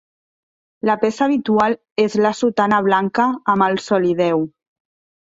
La peça habitual és la sotana blanca amb el solideu.